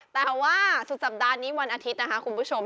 แต่ว่าสุดสัปดาห์นี้วันอาทิตย์นะคะคุณผู้ชม